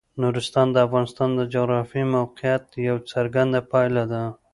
نورستان د افغانستان د جغرافیایي موقیعت یوه څرګنده پایله ده.